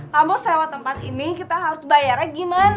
kamu sewa tempat ini kita harus bayarnya gimana